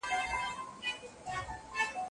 دلته جنګونه کیږي